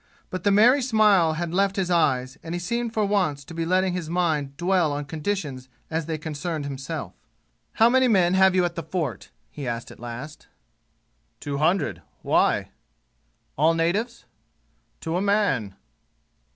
But the merry smile had left his eyes and he seemed for once to be letting his mind dwell on conditions as they concerned himself. "How many men have you at the fort?" he asked at last. "Two hundred. Why?" "All natives?" "To a man."